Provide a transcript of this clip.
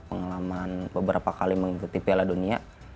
pengalaman beberapa kali mengikuti piala dunia